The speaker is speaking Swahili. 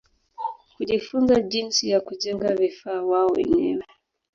Kujifunza jinsi ya kujenga vifaa wao wenyewe